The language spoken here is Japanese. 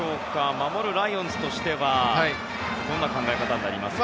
守るライオンズとしてはどんな考え方になりますか？